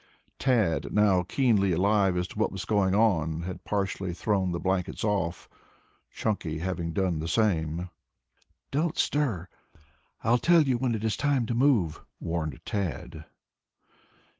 Tad, now keenly alive to what was going on, had partially thrown the blankets off, Chunky having done the same. "Don't stir. I'll tell you when it is time to move," warned Tad.